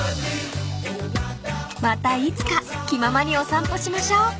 ［またいつか気ままにお散歩しましょう］